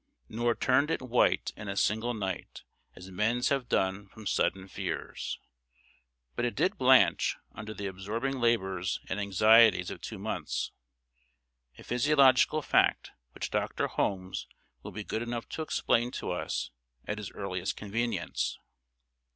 "Nor turned it white In a single night, As men's have done from sudden fears;" but it did blanch under the absorbing labors and anxieties of two months a physiological fact which Doctor Holmes will be good enough to explain to us at his earliest convenience.